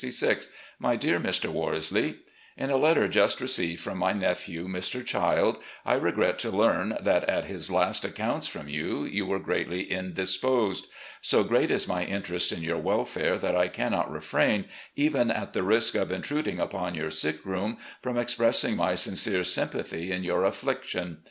"My Dear Mr. Worsley: In a letter just received from my nephew, Mr. Childe, I regret to learn that, at his last accounts from you, you were greatly indisposed. So great is my interest in your welfare that I cannot refrain, even at the risk of intruding upon your sickroom, from expressing my sincere sympathy in your afiSiction.